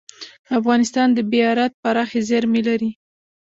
افغانستان د بیرایت پراخې زیرمې لري.